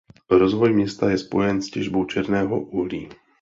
Rozvoj města je spojen s těžbou černého uhlí.